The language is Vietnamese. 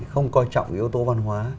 không quan trọng yếu tố văn hóa